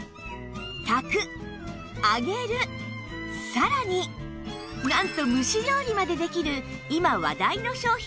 さらになんと蒸し料理までできる今話題の商品なんです